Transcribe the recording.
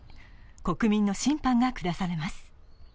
国民の審判が下されます。